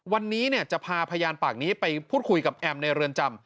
วันนี้จะพาพยานปากนี้ไปพูดคุยกับแอมในเรือนจำ